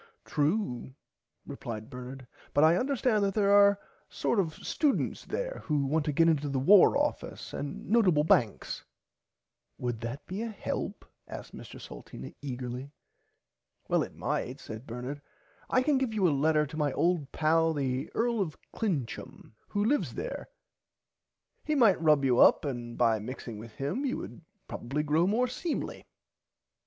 [Pg 44] True replied Bernard but I understand there are sort of students there who want to get into the War Office and notable banks. Would that be a help asked Mr Salteena egerly. Well it might said Bernard I can give you a letter to my old pal the Earl of Clincham who lives there he might rub you up and by mixing with him you would probably grow more seemly.